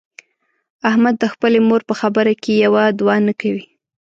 احمد د خپلې مور په خبره کې یو دوه نه کوي.